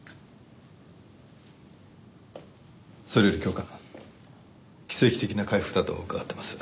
それより教官奇跡的な回復だと伺ってます。